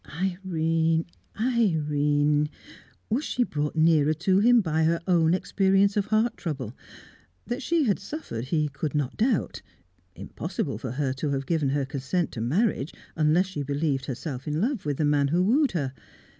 Irene! Irene! Was she brought nearer to him by her own experience of heart trouble? That she had suffered, he could not doubt; impossible for her to have given her consent to marriage unless she believed herself in love with the man who wooed her.